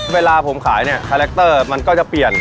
เวลาผมขายเนี่ยคาแรคเตอร์มันก็จะเปลี่ยน